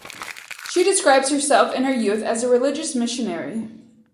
She describes herself in her youth as a "religious missionary".